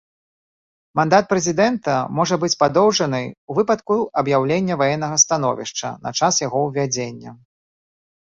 Мандат прэзідэнта можа быць падоўжаны ў выпадку аб'яўлення ваеннага становішча на час яго ўвядзення.